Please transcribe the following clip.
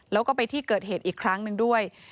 แล้วก็ไปที่เกิดเหตุอีกครั้งหนึ่งด้วย